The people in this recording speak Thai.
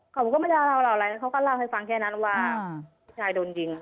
เขาก็ไม่ได้เล่าเหล่าอะไรเขาก็เล่าให้ฟังแค่นั้นว่าผู้ชายโดนยิง